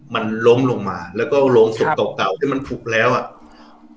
มันล้มลงมาแล้วก็โรงศพเก่าเก่าที่มันผุบแล้วอ่ะ